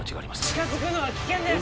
近づくのは危険です！